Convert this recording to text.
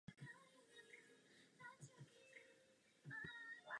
Dnes se výhradně používá "have".